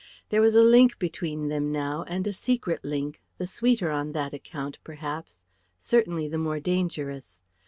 There was a link between them now, and a secret link, the sweeter on that account, perhaps, certainly the more dangerous.